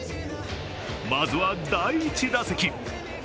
まずは第１打席。